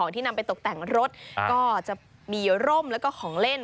ที่นำไปตกแต่งรถก็จะมีร่มแล้วก็ของเล่น